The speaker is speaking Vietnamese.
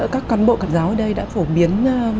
các cán bộ các giáo ở đây đã phổ biến